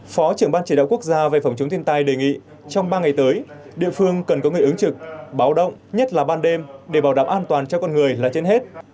phó trưởng ban chỉ đạo quốc gia về phòng chống thiên tai đề nghị trong ba ngày tới địa phương cần có người ứng trực báo động nhất là ban đêm để bảo đảm an toàn cho con người là trên hết